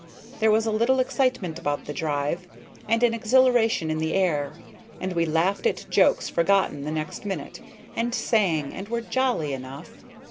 There was a little excitement about the drive, and an exhilaration in the air, and we laughed at jokes forgotten the next minute, and sang, and were jolly enough.